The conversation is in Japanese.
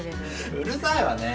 うるさいわね。